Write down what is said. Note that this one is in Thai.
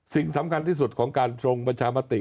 สิ่งสำคัญที่สุดของการทรงประชามติ